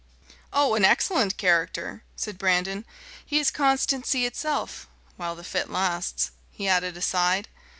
"Oh! an excellent character," said Brandon. "He is constancy itself while the fit lasts," he added, aside.